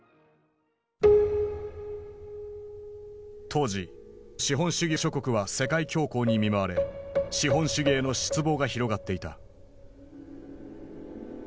当時資本主義諸国は世界恐慌に見舞われ資本主義への失望が広がっていた。